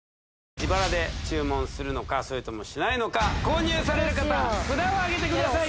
自腹で注文するのかそれともしないのか購入される方札をあげてください